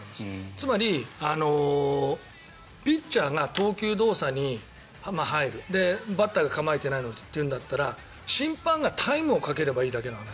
つまりピッチャーが投球動作に入るバッターが構えてないっていうんだったら審判がタイムをかければいいだけの話。